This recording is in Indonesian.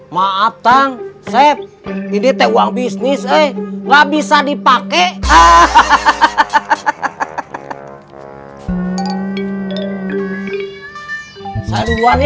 maaf tanggung set ini tewang bisnis eh nggak bisa dipakai